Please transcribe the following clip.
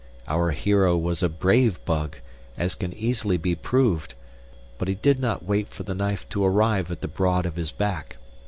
Our hero was a brave bug, as can easily be proved; but he did not wait for the knife to arrive at the broad of his back.